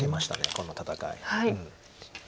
この戦い。